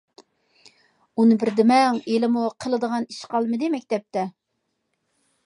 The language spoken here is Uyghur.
ئۇنى بىر دېمەڭ، ھېلىمۇ قىلىدىغان ئىش قالمىدى مەكتەپتە.